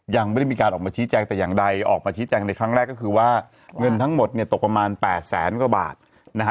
ยังไม่ได้มีการออกมาชี้แจงแต่อย่างใดออกมาชี้แจงในครั้งแรกก็คือว่าเงินทั้งหมดเนี่ยตกประมาณ๘แสนกว่าบาทนะฮะ